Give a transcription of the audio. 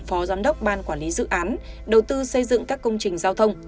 phó giám đốc ban quản lý dự án đầu tư xây dựng các công trình giao thông